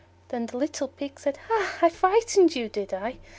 Then the little Pig said, "Hah! I frightened you, did I?